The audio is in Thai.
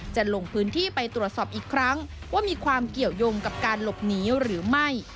จะลงพื้นที่ไปตรวจสอบอีกครั้งว่ามีความเกี่ยวยงกับการหลบหนีหรือไม่